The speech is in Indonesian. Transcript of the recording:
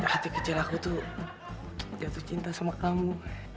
hati kecil aku tuh jatuh cinta sama kamu